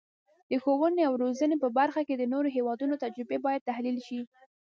د ښوونې او روزنې په برخه کې د نورو هیوادونو تجربې باید تحلیل شي.